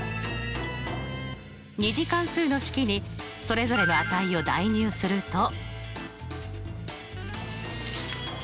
２次関数の式にそれぞれの値を代入すると。